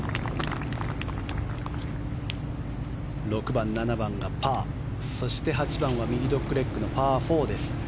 ６番、７番がパーそして８番は右ドッグレッグのパー４です。